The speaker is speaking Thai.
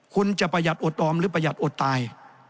คุณจะประหยัดอดออมหรือประหยัดอดตาย